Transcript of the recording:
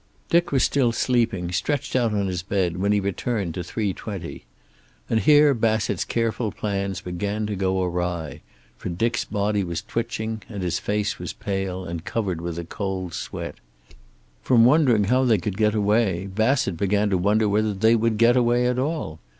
Dick was still sleeping, stretched on his bed, when he returned to three twenty. And here Bassett's careful plans began to go awry, for Dick's body was twitching, and his face was pale and covered with a cold sweat. From wondering how they could get away, Bassett began to wonder whether they would get away at all.